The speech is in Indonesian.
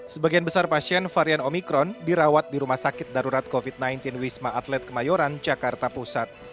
sebagian besar pasien varian omikron dirawat di rumah sakit darurat covid sembilan belas wisma atlet kemayoran jakarta pusat